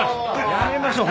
やめましょう。